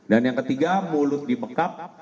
dan yang ketiga mulut dibekap